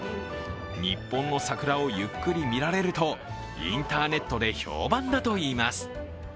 日本の桜をゆっくり見られるとインターネットで評判だといいます。